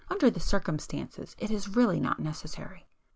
Under the circumstances it is really not necessary."